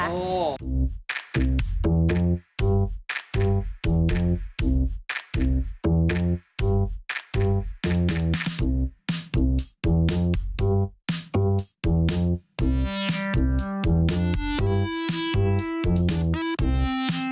เอาถามจริงเธอมีแฟนมั้ยเนี่ยข้าวโมการมั้ยเนี่ย